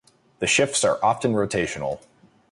The shifts are often rotational.